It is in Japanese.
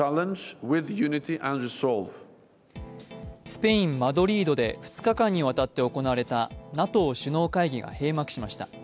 スペイン・マドリードで２日間にわたって行われたＮＡＴＯ首脳会議が閉幕しました。